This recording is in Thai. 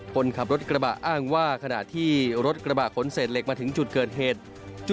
คนขับรถกระบะอ้างว่าขณะที่รถกระบะขนเศษเหล็กมาถึงจุดเกิดเหตุ